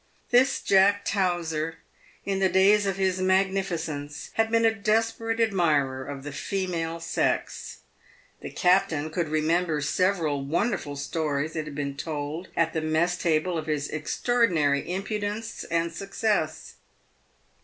This Jack Towser, in the days of his magnificence, had been a desperate admirer of the female sex. The captain could remember several wonderful stories that had been told at the mess table of his extraordinary impudence and success.